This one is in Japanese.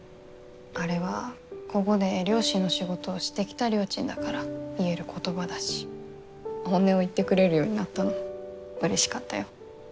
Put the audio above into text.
あれはここで漁師の仕事をしてきたりょーちんだから言える言葉だし本音を言ってくれるようになったのもうれしかったよ。